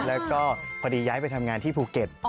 แล้วก็พอดีย้ายไปทำงานที่ภูเก็ต